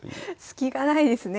スキがないですね。